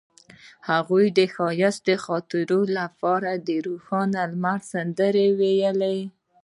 هغې د ښایسته خاطرو لپاره د روښانه لمر سندره ویله.